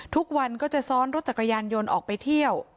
ทุกวันก็จะซ้อนรถจักรยานยนต์ออกไปเที่ยว